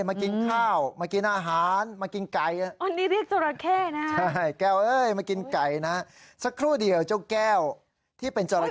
มากินข้าวมากินอาหารมากินไก่